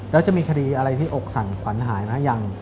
แล้วจะมีคดีอะไรที่อกสั่นขวัญหายไหมยัง